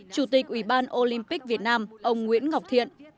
chủ tịch ủy ban olympic việt nam ông nguyễn ngọc thiện